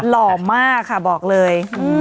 หล่อมากค่ะบอกเลย